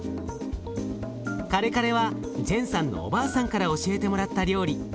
カレカレはジェンさんのおばあさんから教えてもらった料理。